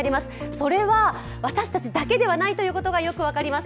それは私たちだけではないということがよく分かります。